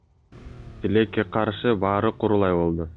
Тилекке каршы баары курулай болду.